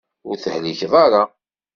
Ur tehlikeḍ ara.